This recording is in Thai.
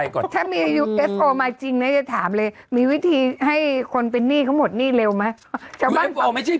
คือต้อนขอบอกตรงนี้นะเทคโนโลยีนะโอ้โฮ